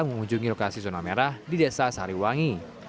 mengunjungi lokasi zona merah di desa sariwangi